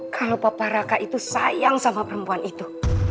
kalau papa raka itu sayang sama perempuan itu